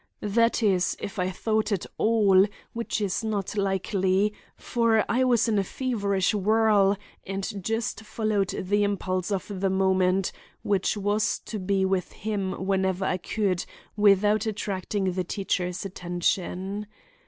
That is, if I thought at all, which is not likely; for I was in a feverish whirl, and just followed the impulse of the moment, which was to be with him whenever I could without attracting the teacher's attention.